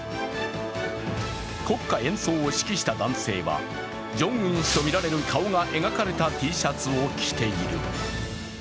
国歌演奏を指揮した男性は、ジョンウン氏が描かれたとみられるＴシャツを着ている。